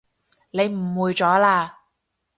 你誤會咗喇